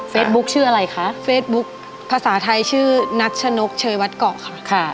ชื่ออะไรคะเฟซบุ๊คภาษาไทยชื่อนัชนกเชยวัดเกาะค่ะค่ะ